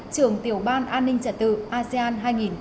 trưởng tiểu ban an ninh trật tự asean hai nghìn hai mươi